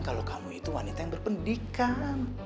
kalau kamu itu wanita yang berpendik kan